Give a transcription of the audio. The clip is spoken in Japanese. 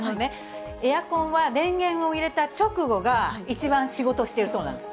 エアコンは電源を入れた直後が一番仕事してるそうなんです。